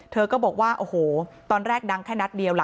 เธอก็บอกว่าโอ้โหตอนแรกดังแค่นัดเดียวล่ะ